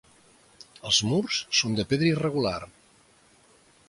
Els murs són de pedra irregular.